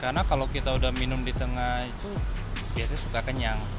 karena kalau kita udah minum di tengah itu biasanya suka kenyang